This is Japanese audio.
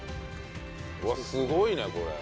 うわっすごいねこれ。